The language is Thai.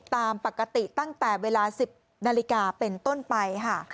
ตามปกติตั้งแต่เวลา๑๐นาฬิกาเป็นต้นไปค่ะ